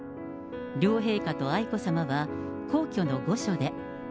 両陛下と愛子さまは皇居の御所で。